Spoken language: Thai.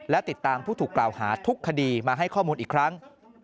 และติดตามผู้ถูกกล่าวหาทุกคดีมาให้ข้อมูลอีกครั้ง